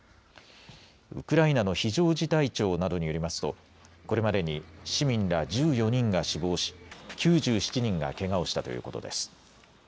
ウクライナの非常事態庁などによりますとこれまでに市民ら１４人が死亡し９７人がけがをしたということです。